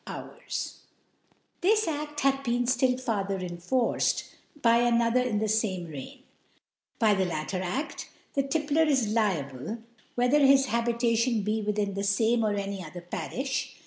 Hours* This Aft hath been ftill farther enforced by another in the fame Reign f. By the lattei\A6t, theTipIer is liable, whether his Habitation be within the fame or any other Parifh.